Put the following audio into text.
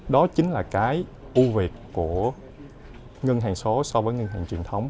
đó chính là cái ưu việt của ngân hàng số so với ngân hàng truyền thống